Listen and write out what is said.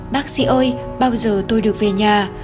bác sĩ ơi bao giờ tôi được về nhà